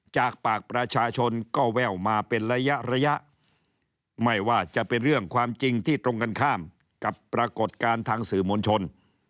จากปากประชาชนก็แว่วมาเป็นระยะระยะไม่ว่าจะเป็นเรื่องความจริงที่ตรงกันข้ามกับปรากฏการณ์ทางสื่อมวลชน